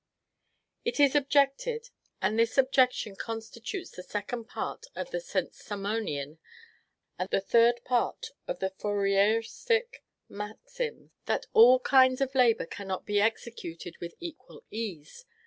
It is objected, and this objection constitutes the second part of the St. Simonian, and the third part of the Fourierstic, maxims, "That all kinds of labor cannot be executed with equal ease.